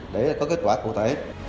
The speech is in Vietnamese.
để có kết quả cụ thể